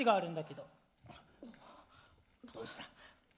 どうした？